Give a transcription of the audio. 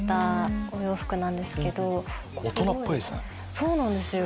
そうなんですよ。